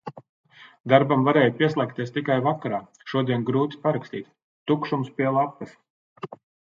Darbam varēju pieslēgties tikai vakarā. Šodien grūti parakstīt. Tukšums pie lapas.